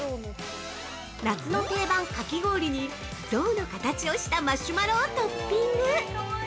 夏の定番かき氷に象の形をしたマシュマロをトッピング！